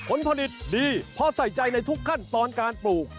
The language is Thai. ผลผลิตดีเพราะใส่ใจในทุกขั้นตอนการปลูก